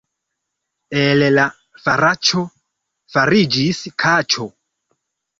El la faraĉo fariĝis kaĉo.